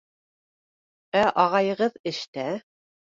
Ә ағайығыҙ эштә.